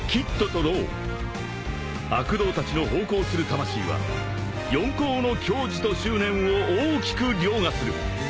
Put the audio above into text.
［悪童たちのほうこうする魂は四皇の矜持と執念を大きく凌駕する］